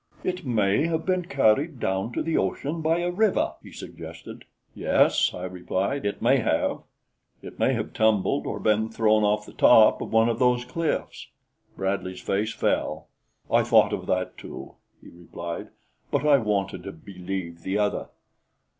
"It may have been carried down to the ocean by a river," he suggested. "Yes," I replied, "it may have; it may have tumbled or been thrown off the top of one of these cliffs." Bradley's face fell. "I thought of that, too," he replied, "but I wanted to believe the other."